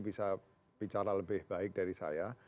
bisa bicara lebih baik dari saya